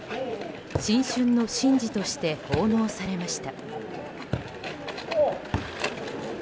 新春の神事として奉納されました。